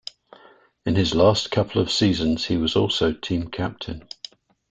In his last couple of seasons he was also team captain.